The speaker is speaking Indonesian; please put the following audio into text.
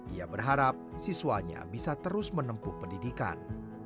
ia berharap siswanya bisa terus menempuh pendidikan